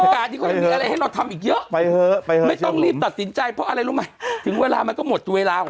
ผมการที่ก็ยังมีอะไรให้เราทำอีกเยอะ